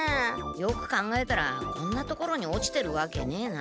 よく考えたらこんな所に落ちてるわけねえな。